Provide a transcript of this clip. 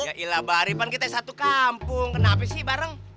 yailah bareng kita satu kampung kenapa sih bareng